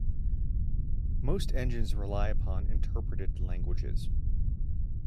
Most engines rely upon interpreted languages.